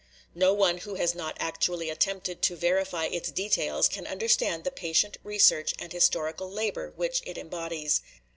"No one who has not actually attempted to verify its details can understand the patient research and historical labor which it embodies.